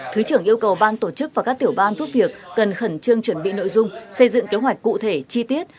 thứ trưởng yêu cầu ban tổ chức và các tiểu ban giúp việc cần khẩn trương chuẩn bị nội dung xây dựng kế hoạch cụ thể chi tiết